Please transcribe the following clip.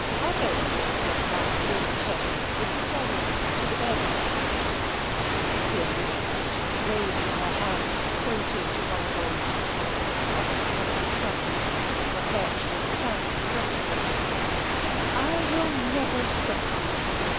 Others may bring that grey head with sorrow to the bed of sickness (here Mrs. Bute, waving her hand, pointed to one of old Miss Crawley's coffee coloured fronts, which was perched on a stand in the dressing room), but I will never quit it.